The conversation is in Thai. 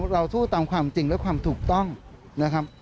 เราสู้ตามความจริงและความถูกต้องนะครับ